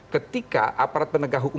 ketika aparat penegak hukum